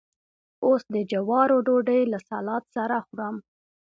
اوس د جوارو ډوډۍ له سلاد سره خورم.